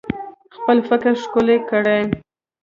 خپل فکر ښکلی کړئ